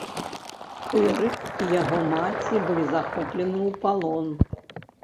Эрык і яго маці былі захоплены ў палон.